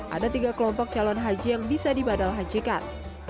ada tiga kelompok calon haji yang bisa dibadal hajikan